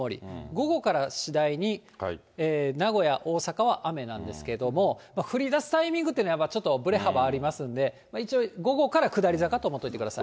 午後から次第に名古屋、大阪は雨なんですけども、降りだすタイミングというのは、やっぱりちょっとぶれ幅ありますんで、一応午後から下り坂と思っておいてください。